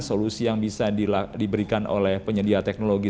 solusi yang bisa diberikan oleh penyedia teknologi